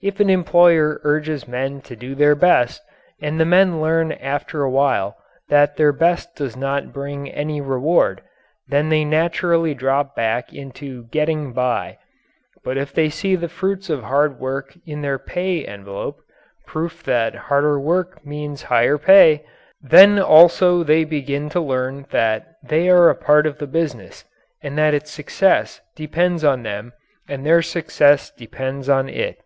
If an employer urges men to do their best, and the men learn after a while that their best does not bring any reward, then they naturally drop back into "getting by." But if they see the fruits of hard work in their pay envelope proof that harder work means higher pay then also they begin to learn that they are a part of the business, and that its success depends on them and their success depends on it.